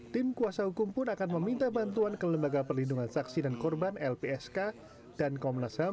tim kuasa hukum pun akan meminta bantuan ke lembaga perlindungan saksi dan korban lpsk dan komnas ham